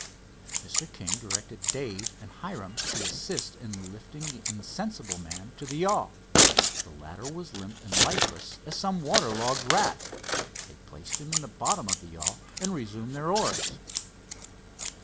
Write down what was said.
Mr. King directed Dave and Hiram to assist in lifting the insensible man to the yawl. The latter was limp and lifeless as some water logged rat. They placed him in the bottom of the yawl and resumed their oars.